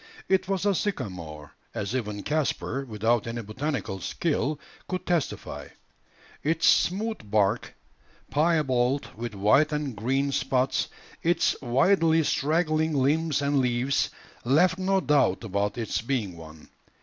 It was a sycamore, as even Caspar, without any botanical skill, could testify. Its smooth bark, piebald with white and green spots, its widely straggling limbs and leaves, left no doubt about its being one.